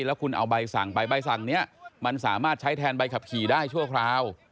แล้วคุณเอาใบสั่งไปใบสั่งนี้มันสามารถใช้แทนใบขับขี่ได้ชั่วคราว